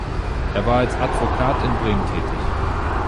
Er war als Advokat in Bremen tätig.